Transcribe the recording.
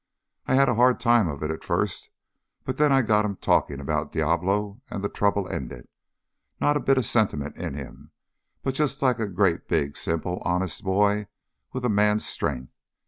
I had a hard time of it at first, but then I got him talking about Diablo and the trouble ended. Not a bit of sentiment in him; but just like a great big, simple, honest boy, with a man's strength.